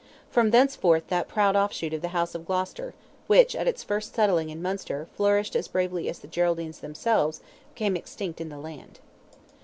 From thenceforth that proud offshoot of the house of Gloucester, which, at its first settling in Munster, flourished as bravely as the Geraldines themselves, became extinct in the land.